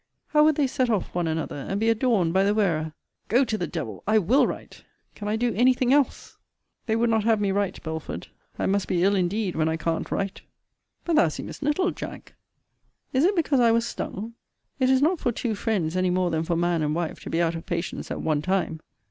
how would they set off one another, and be adorned by the wearer! Go to the devil! I will write! Can I do anything else? They would not have me write, Belford. I must be ill indeed, when I can't write. But thou seemest nettled, Jack! Is it because I was stung? It is not for two friends, any more than for man and wife, to be out of patience at one time.